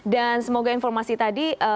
dan semoga informasi tadi